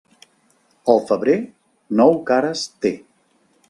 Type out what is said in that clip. El febrer, nou cares té.